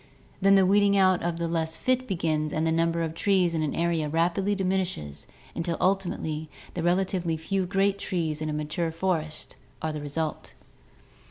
Then the weeding out of the less fit begins and the number of trees in the area rapidly diminishes until ul timately the relatively few great trees in a mature forest are the result.